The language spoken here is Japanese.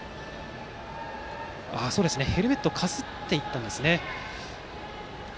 ヘルメットをかすっていったんですね。